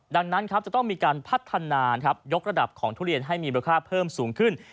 ดังนั้นครับจะต้องมีการพัฒนายกระดับของทุเรียนให้มีมูลค่าเพิ่มสูงขึ้น